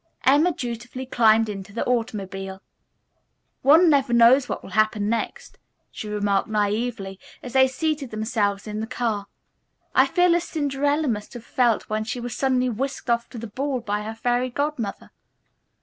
Emma dutifully climbed into the automobile. "One never knows what will happen next," she remarked naively as they seated themselves in the car. "I feel as Cinderella must have felt when she was suddenly whisked off to the ball by her fairy godmother.